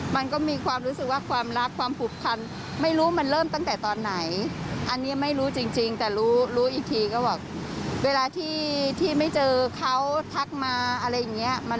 มันรู้สึกแบบเอ๊ะไปไหนน่ะอะไรอย่างนี้